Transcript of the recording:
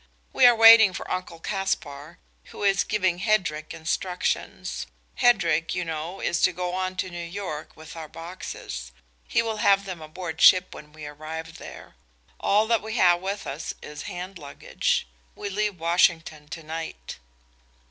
"We are waiting for Uncle Caspar, who is giving Hedrick instructions. Hedrick, you know, is to go on to New York with our boxes. He will have them aboard ship when we arrive there. All that we have with us is hand luggage. We leave Washington to night."